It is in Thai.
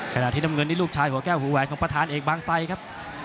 ขณะที่น้ำเงินนี่ลูกชายหัวแก้วหัวแหวนของประธานเอกบางไซครับ